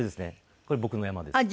これ僕の山です。